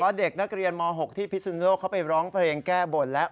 เด็กนักเรียนม๖ที่พิสุนโลกเขาไปร้องเพลงแก้บนแล้ว